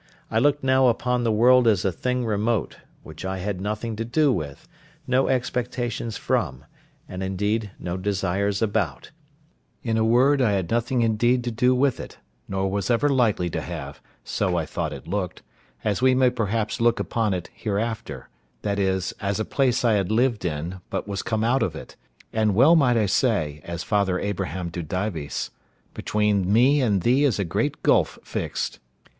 I looked now upon the world as a thing remote, which I had nothing to do with, no expectations from, and, indeed, no desires about: in a word, I had nothing indeed to do with it, nor was ever likely to have, so I thought it looked, as we may perhaps look upon it hereafter—viz. as a place I had lived in, but was come out of it; and well might I say, as Father Abraham to Dives, "Between me and thee is a great gulf fixed."